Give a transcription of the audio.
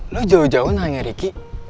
lo jauh jauh nanya ricky